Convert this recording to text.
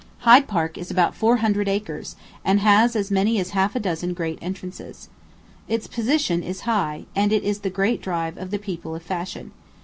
Hyde Park is about four hundred acres, and has as many as half a dozen great entrances. Its position is high, and it is the great drive of the people of fashion.